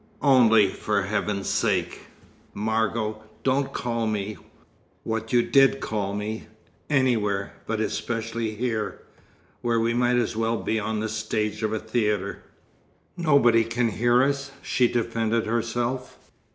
"Only, for Heaven's sake, Margot, don't call me what you did call me anywhere, but especially here, where we might as well be on the stage of a theatre." "Nobody can hear us," she defended herself.